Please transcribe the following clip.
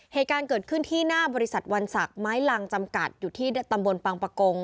เหตุการณ์เกิดขึ้นที่หน้าบริษัทวันศักดิ์ไม้ลังจำกัดอยู่ที่ตำบลปังปะกง